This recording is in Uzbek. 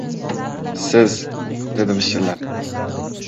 Siz... - dedi vishillab.